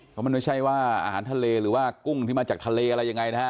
เพราะมันไม่ใช่ว่าอาหารทะเลหรือว่ากุ้งที่มาจากทะเลอะไรยังไงนะฮะ